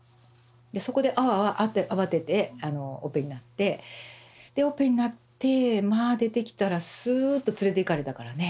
そこであわあわ慌ててオペになってでオペになってまあ出てきたらすうっと連れていかれたからね。